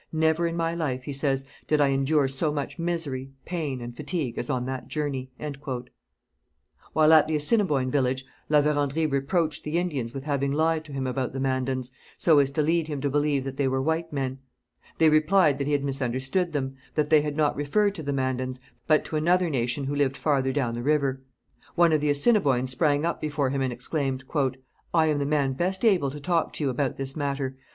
'Never in my life,' he says, 'did I endure so much misery, pain, and fatigue as on that journey.' While at the Assiniboine village La Vérendrye reproached the Indians with having lied to him about the Mandans, so as to lead him to believe that they were white men. They replied that he had misunderstood them; that they had not referred to the Mandans, but to another nation who lived farther down the river. One of the Assiniboines sprang up before him and exclaimed: 'I am the man best able to talk to you about this matter.